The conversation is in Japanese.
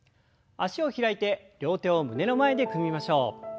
脚を開いて両手を胸の前で組みましょう。